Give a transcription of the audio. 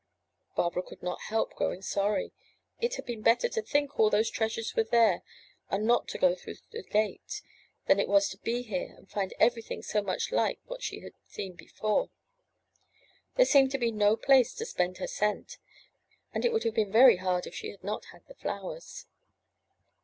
Barbara could not help growing sorry; it had been better to think all those treasures were there and not to go through the gate, than it was to be here and find everything so much like what she had seen before. There seemed to be no place to spend her cent, and it would have been very hard if she had not had the flowers.